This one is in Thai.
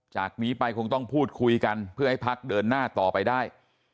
จากนี้ไปคงต้องพูดคุยกันเพื่อให้พักเดินหน้าต่อไปได้